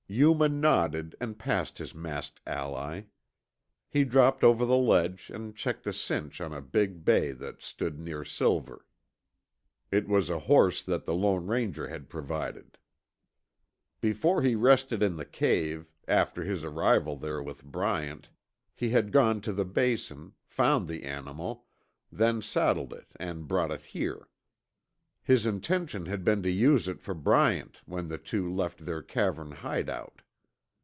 Yuma nodded and passed his masked ally. He dropped over the ledge and checked the cinch on a big bay that stood near Silver. It was a horse that the Lone Ranger had provided. Before he rested in the cave, after his arrival there with Bryant, he had gone to the Basin, found the animal, then saddled it and brought it here. His intention had been to use it for Bryant when the two left their cavern hideout.